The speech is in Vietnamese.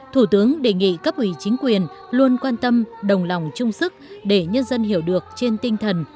thủ tướng đề nghị cấp ủy chính quyền luôn quan tâm đồng lòng chung sức để nhân dân hiểu được trên tinh thần